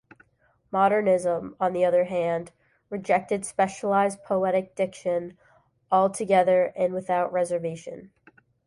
Modernism, on the other hand, rejected specialized poetic diction altogether and without reservation.